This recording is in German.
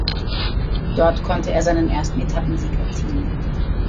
Dort konnte er seinen ersten Etappensieg erzielen.